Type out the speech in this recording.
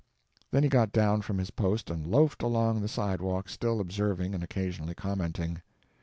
Then he got down from his post and loafed along the sidewalk, still observing and occasionally commenting.